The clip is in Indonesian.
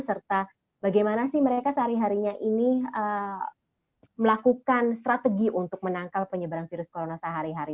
serta bagaimana sih mereka sehari harinya ini melakukan strategi untuk menangkal penyebaran virus corona sehari hari